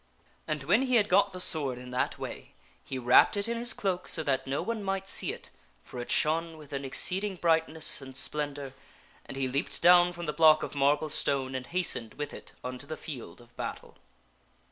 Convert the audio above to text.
And when he had got the sword in that way, he wrapped it in his cloak so that no one might see it (for it shone with an exceeding brightness and splendor) and he leaped down from the block of marble stone and hastened with it unto the field of battle.